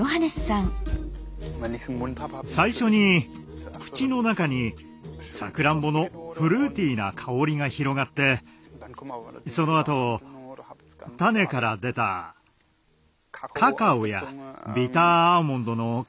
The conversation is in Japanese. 最初に口の中にさくらんぼのフルーティーな香りが広がってそのあと種から出たカカオやビターアーモンドの香りもしてくるんだ。